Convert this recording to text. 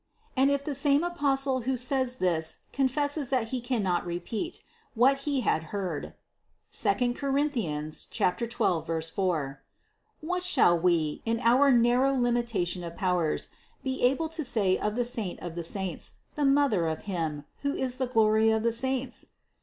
And if the same Apostle who says this confesses that he cannot repeat, what he had heard (II Cor. 12, 4), what shall we, in our narrow limitation of powers, be able to say of the Saint of the saints, the Mother of Him, who is the glory of the saints?